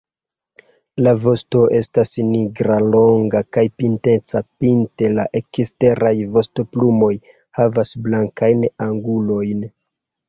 La vosto estas nigra, longa, kaj pinteca pinte; la eksteraj vostoplumoj havas blankajn angulojn.